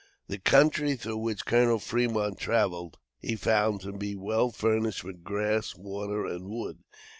The country through which Colonel Fremont traveled, he found to be well furnished with grass, water and wood.